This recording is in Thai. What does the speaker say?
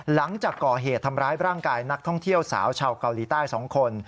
หลังจากก่อเหตุทำร้ายร่างกายนักท่องเที่ยวสาวชาวเกาหลีใต้๒คน